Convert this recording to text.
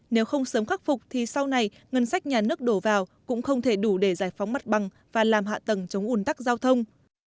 nếu không sớm khắc phục thì sau này ngân sách nhà nước đổ vào cũng không thể đủ để giải phóng mặt bằng và làm hạ tầng chống ủn tắc giao thông